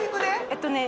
えっとね